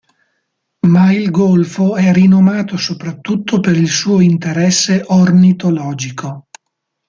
Ma il golfo è rinomato soprattutto per il suo interesse ornitologico.